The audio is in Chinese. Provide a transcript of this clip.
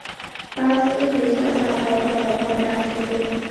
巴斯学校大爆炸的爆炸事件。